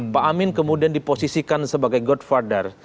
pak amin kemudian diposisikan sebagai godfather